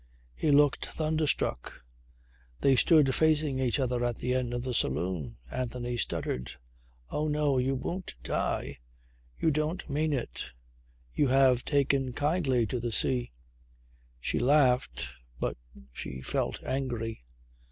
He looked thunderstruck. They stood facing each other at the end of the saloon. Anthony stuttered. "Oh no. You won't die. You don't mean it. You have taken kindly to the sea." She laughed, but she felt angry.